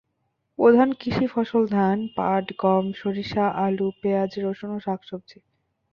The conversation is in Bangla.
প্রধান কৃষি ফসল ধান, পাট, গম, সরিষা, আলু, পেঁয়াজ, রসুন ও শাকসবজি।